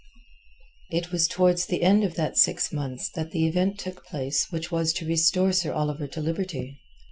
It was towards the end of that six months that the event took place which was to restore Sir Oliver to liberty.